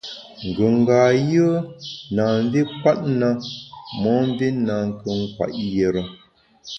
Ngùnga yùe na mvi nkwet na, momvi nankù nkwet yire.